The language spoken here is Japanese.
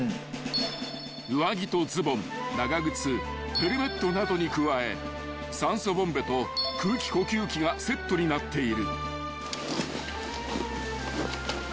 ［上着とズボン長靴ヘルメットなどに加え酸素ボンベと空気呼吸器がセットになっている］